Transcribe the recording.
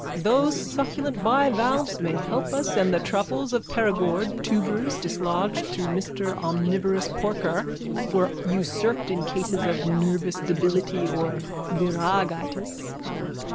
Those succulent bivalves may help us and the truffles of Perigord, tubers dislodged through mister omnivorous porker, were unsurpassed in cases of nervous debility or viragitis.